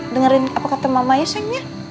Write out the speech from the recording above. dengerin apa kata mama ya sayangnya